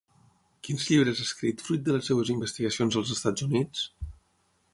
Quins llibres ha escrit fruit de les seves investigacions als Estats Units?